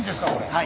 はい。